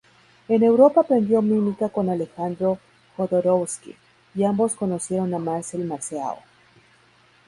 En Europa aprendió mímica con Alejandro Jodorowsky, y ambos conocieron a Marcel Marceau.